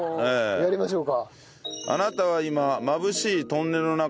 やりましょうか。